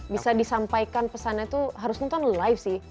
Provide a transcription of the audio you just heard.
bisa disampaikan pesannya itu harus nonton live sih